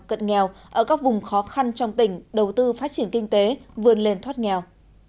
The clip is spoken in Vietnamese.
cận nghèo ở các vùng khó khăn trong tỉnh đầu tư phát triển kinh tế vươn lên thoát nghèo